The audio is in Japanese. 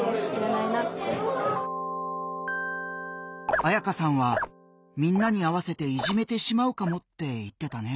あやかさんはみんなに合わせていじめてしまうかもって言ってたね。